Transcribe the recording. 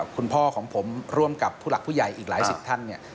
คุณพ่อของผมร่วมกับผู้หลักผู้ใหญ่อีกหลายสิบท่านเนี่ย